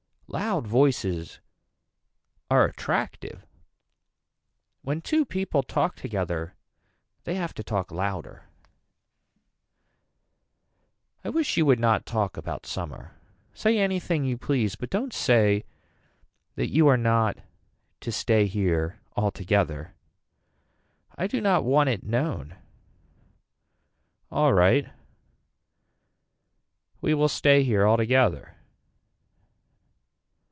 Loud voices are attractive. When two people talk together they have to talk louder. I wish you would not talk about summer. Say anything you please but don't say that you are not to stay here altogether. I do not want it known. Alright. We will stay here altogether.